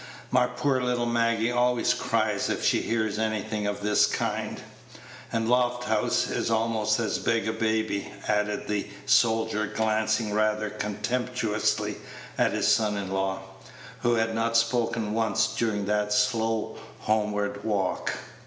"My poor little Maggie always cries if she hears of anything of this kind; and Lofthouse is almost as big a baby," added the soldier, glancing rather contemptuously at his son in law, who had not spoken once during that slow homeward walk.